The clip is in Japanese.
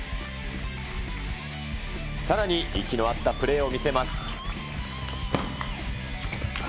さらに息の合ったプレーを見せます。